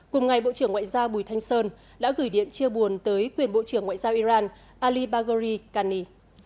cùng ngày bộ trưởng ngoại giao bùi thanh sơn đã gửi điện chia buồn tới quyền bộ trưởng ngoại giao iran ali bagori kani